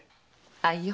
あいよ。